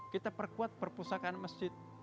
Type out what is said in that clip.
kita perkuat perpusakaan masjid